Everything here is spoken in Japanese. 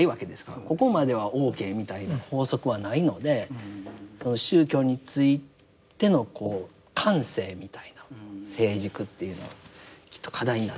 ここまではＯＫみたいな法則はないので宗教についてのこう感性みたいな成熟っていうのはきっと課題になってくるんじゃないか。